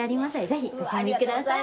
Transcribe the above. ぜひご賞味ください。